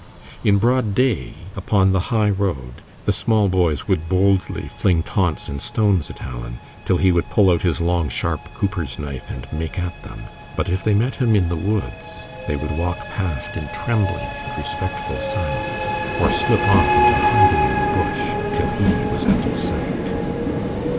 In broad day, upon the high road, the small boys would boldly fling taunts and stones at Alan, till he would pull out his long, sharp cooper's knife and make at them. But if they met him in the woods they would walk past in trembling and respectful silence, or slip off into hiding in the bush, till he was out of sight.